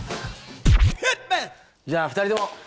じゃあ２人とも！